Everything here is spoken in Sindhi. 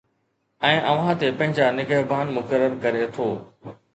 ۽ اوهان تي پنهنجا نگهبان مقرر ڪري ٿو